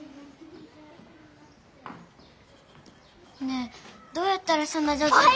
ねえどうやったらそんなじょうずに。